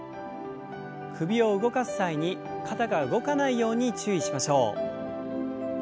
首を動かす際に肩が動かないように注意しましょう。